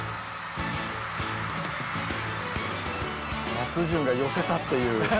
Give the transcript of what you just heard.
松潤が寄せたっていう河合君に。